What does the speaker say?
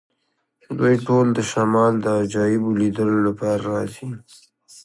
دوی ټول د شمال د عجایبو لیدلو لپاره راځي